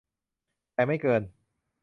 แต่ไม่เกิน